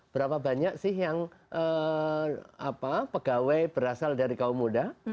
berapa banyak sih yang pegawai berasal dari kaum muda